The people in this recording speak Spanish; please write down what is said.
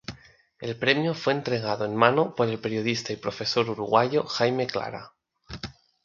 El premio fue entregado en mano por el periodista y profesor uruguayo Jaime Clara.